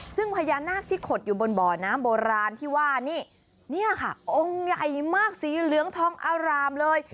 ซึ่งพญานาคที่ขดอยู่บนบ่อน้ำโบราณที่ว่านี่เนี่ยค่ะองค์ใหญ่มากสีเหลืองทองอารามเลย